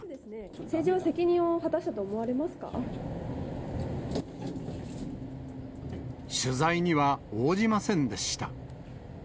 政治の責任を果たしたと思わ取材には応じませんでした。